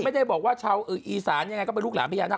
ไม่ได้บอกว่าชาวอีสานยังไงก็เป็นลูกหลานพญานาค